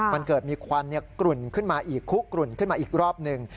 มันเกิดมีควันกลุ่นขึ้นมาอีกคุกกลุ่นขึ้นมาอีกรอบหนึ่ง